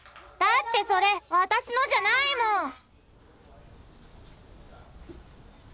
だってそれ私のじゃないもん。